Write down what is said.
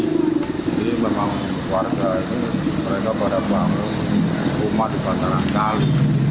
jadi memang warga ini mereka pada bangun rumah di pantaran kali